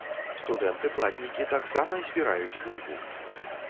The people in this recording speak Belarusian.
Студэнты-платнікі таксама збіраюць бульбу!